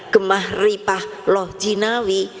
gemah ripah loh jinawi